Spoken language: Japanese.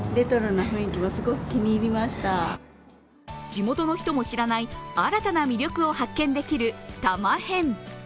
地元の人も知らない新たな魅力を発見できる多摩編。